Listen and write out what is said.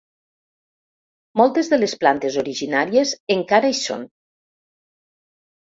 Moltes de les plantes originàries encara hi són.